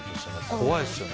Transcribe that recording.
怖いですよね。